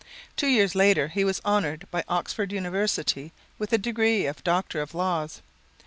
Two years later he was honored by Oxford University with the degree of Doctor of Laws.